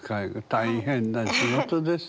大変な仕事ですね。